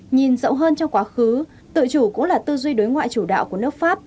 nhìn rộng hơn trong quá khứ tự chủ cũng là tư duy đối ngoại chủ đạo của nước pháp